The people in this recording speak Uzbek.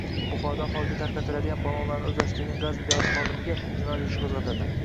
Buxoroda aholiga tarqatiladigan ballonlarni o‘zlashtirgan gaz idorasi xodimiga jinoiy ish qo‘zg‘atildi